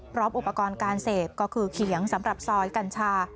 พร้อมอุปกรณ์การเสพก็คือเขียงสำหรับซอยกัญชา